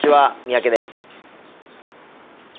三宅です。